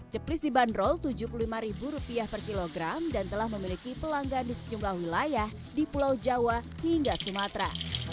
ceplis dibanderol rp tujuh puluh lima per kilogram dan telah memiliki pelanggan di sejumlah wilayah di pulau jawa hingga sumatera